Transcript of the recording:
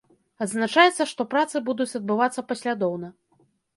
Адзначаецца, што працы будуць адбывацца паслядоўна.